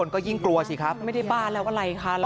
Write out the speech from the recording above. ก็ยิ่งกลัวสิครับมันไม่ได้บ้าแล้วอะไรคะ